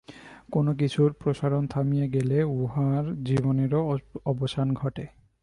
কোন কিছুর প্রসারণ থামিয়া গেলে উহার জীবনেরও অবসান ঘটে।